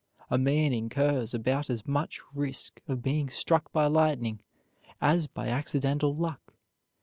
A man incurs about as much risk of being struck by lightning as by accidental luck.